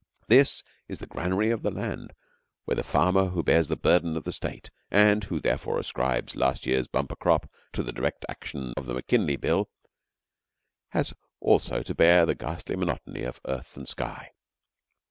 This is the granary of the land where the farmer who bears the burdens of the State and who, therefore, ascribes last year's bumper crop to the direct action of the McKinley Bill has, also, to bear the ghastly monotony of earth and sky.